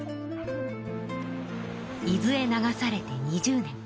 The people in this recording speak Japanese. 伊豆へ流されて２０年。